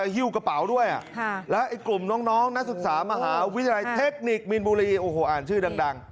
ฮิ้วกระเป๋าด้วยแล้วไอ้กลุ่มน้องนักศึกษามหาวิทยาลัยเทคนิคมีนบุรีโอ้โหอ่านชื่อดัง